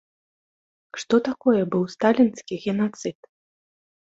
Што такое быў сталінскі генацыд?